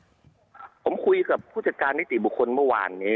ผมคุยกับผู้จัดการนิติบุคคลเมื่อวานนี้